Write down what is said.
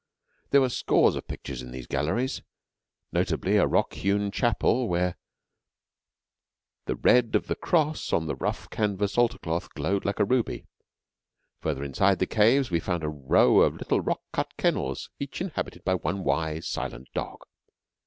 There were scores of pictures in these galleries notably a rock hewn chapel where the red of the cross on the rough canvas altar cloth glowed like a ruby. Further inside the caves we found a row of little rock cut kennels, each inhabited by one wise, silent dog.